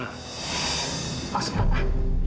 oh sudah pak